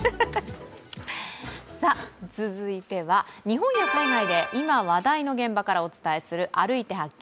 続いては日本や海外で今話題の現場からお伝えする「歩いて発見！